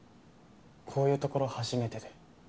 こういうところ初めてで。